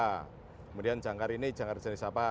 kemudian jangkar ini jangkar jenis apa